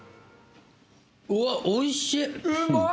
うわっ美味しい！